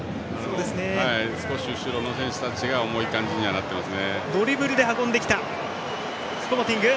少し後ろの選手たちが重い感じにはなっていますね。